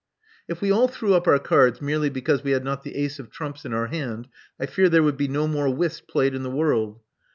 " If we all threw up our cards merely because we had not the ace of trumps in our hand, I fear there would be no more whist played in the world.